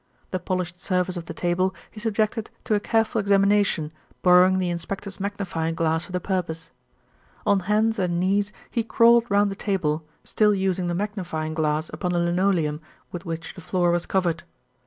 The polished surface of the table he subjected to a careful examination, borrowing the inspector's magnifying glass for the purpose. On hands and knees he crawled round the table, still using the magnifying glass upon the linoleum, with which the floor was covered.